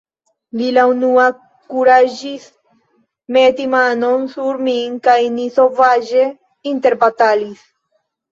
Li la unua kuraĝis meti manon sur min, kaj ni sovaĝe interbatalis.